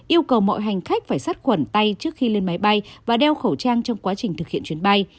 yêu cầu mọi hành khách phải sát khuẩn tay trước khi lên máy bay và đeo khẩu trang trong quá trình thực hiện chuyến bay